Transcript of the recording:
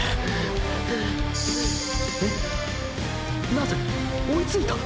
なぜ⁉追いついた！！